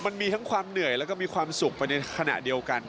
มันมีทั้งความเหนื่อยแล้วก็มีความสุขไปในขณะเดียวกัน